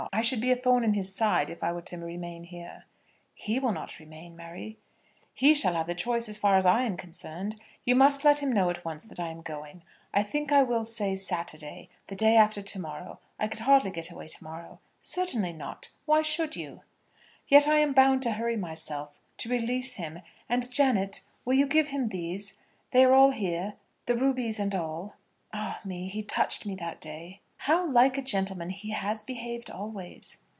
I should be a thorn in his side if I were to remain here." "He will not remain, Mary." "He shall have the choice as far as I am concerned. You must let him know at once that I am going. I think I will say Saturday, the day after to morrow. I could hardly get away to morrow." "Certainly not. Why should you?" "Yet I am bound to hurry myself, to release him. And, Janet, will you give him these? They are all here, the rubies and all. Ah, me! he touched me that day." "How like a gentleman he has behaved always."